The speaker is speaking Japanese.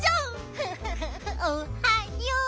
フフフフおはよう。